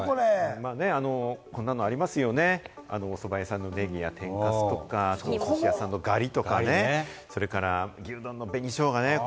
こんなのがありますよね、お蕎麦屋さんのネギとか天かす、お寿司屋さんのガリとかね、それから、牛丼の紅ショウガね。